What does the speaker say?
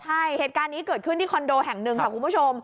ใช่เหตุการณ์นี้เกิดขึ้นที่คอนโดแห่งหนึ่งค่ะคุณผู้ชม